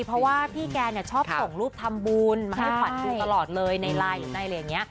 เพราะว่าพี่แกเนี่ยชอบส่งรูปทำบุญมาให้ขวัญดูตลอดเลยในไลน์หรือในอะไรอย่างนี้